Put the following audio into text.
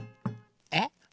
えっ？